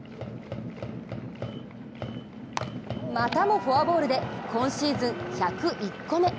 またもフォアボールで今シーズン１０１個目。